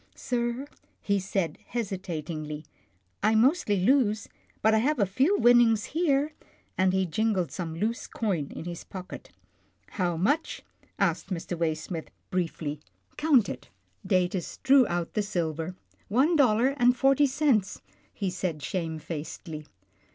" Sir," he said hesitatingly, " I mostly lose, but I have a few winnings here," and he jingled some loose coin in his pocket. " How much ?" asked Mr. Waysmith briefly, " count it." 76 'TILDA JANE'S ORPHANS Datus drew out the silver. "One dollar and forty cents," he said shamefacedly.